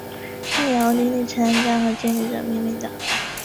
它以奥地利慈善家和建立者命名的。